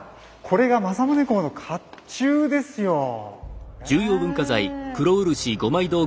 これが政宗公の甲冑ですよ。ね！